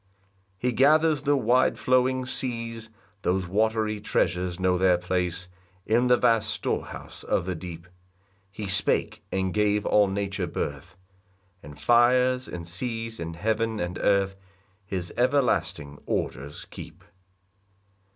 3 He gathers the wide flowing seas, Those watery treasures know their place, In the vast storehouse of the deep: He spake, and gave all nature birth; And fires, and seas, and heaven, and earth, His everlasting orders keep.